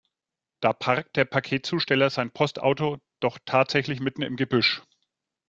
Da parkt der Paketzusteller sein Postauto doch tatsächlich mitten im Gebüsch!